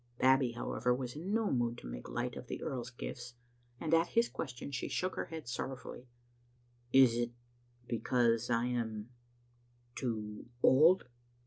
Babbie, however, was in no mood to make light of the earl's gifts, and at his question she shook her head sorrowfully. " Is it because I am too— old?"